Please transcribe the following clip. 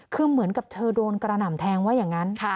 คือเหมือนกับเธอโดนกระหน่ำแทงว่าอย่างนั้น